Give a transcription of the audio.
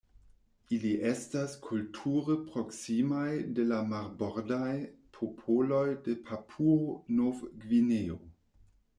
Ili estas kulture proksimaj de la marbordaj popoloj de Papuo-Nov-Gvineo.